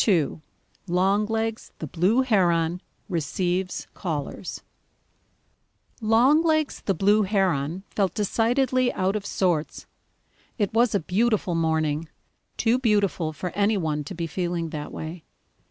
II LONGLEGS THE BLUE HERON RECEIVES CALLERS Longlegs the Blue Heron felt decidedly out of sorts. It was a beautiful morning, too beautiful for any one to be feeling that way.